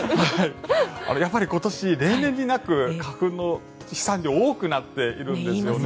やっぱり今年例年になく花粉の飛散量が多くなっているんですね。